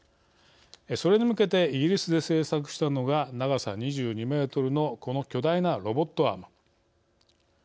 それに向けてイギリスで製作したのが長さ２２メートルのこの巨大なロボットアーム。